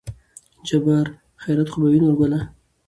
جبار : خېرت خو به وي نورګله